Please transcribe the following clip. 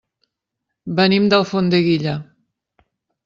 Venim d'Alfondeguilla.